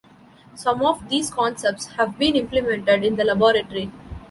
Some of these concepts have been implemented in the laboratory.